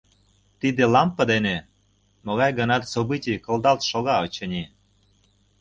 — Тиде лампе дене могай-гынат событий кылдалт шога, очыни.